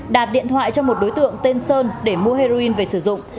đạt điện thoại cho một đối tượng tên sơn để mua heroin về sử dụng